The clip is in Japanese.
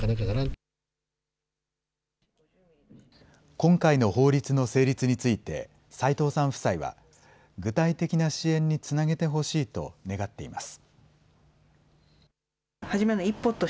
今回の法律の成立について、齋藤さん夫妻は、具体的な支援につなげてほしいと願っています。